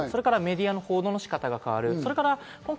メディアの報道の仕方が変わる。